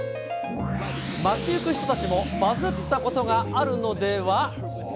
街行く人たちもバズったことがあるのでは。